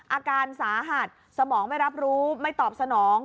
อาการสาหัสสมองไม่รับรู้ไม่ตอบสนอง